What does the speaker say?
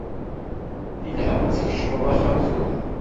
Yelha ma tkecmeḍ axxam tura.